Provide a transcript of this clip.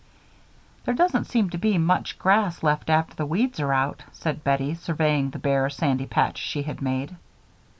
"There doesn't seem to be much grass left after the weeds are out," said Bettie, surveying the bare, sandy patch she had made.